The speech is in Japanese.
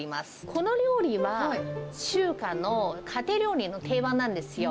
この料理は、中華の家庭料理の定番なんですよ。